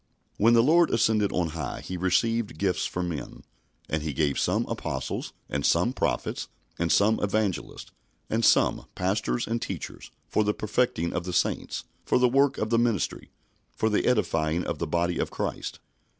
When the Lord ascended on high He received gifts for men, "and he gave some, apostles; and some, prophets; and some, evangelists; and some, pastors and teachers; for the perfecting of the saints, for the work of the ministry, for the edifying of the body of Christ."